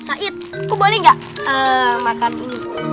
sait kok boleh gak makan ini